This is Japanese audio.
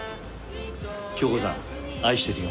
京子さん愛してるよ。